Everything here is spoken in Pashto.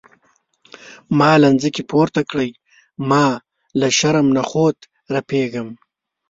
ما له ځمکې پورته کړي ما له شرم نخوت رپیږم.